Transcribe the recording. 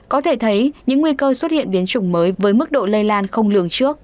có thể thấy những nguy cơ xuất hiện biến chủng mới với mức độ lây lan không lường trước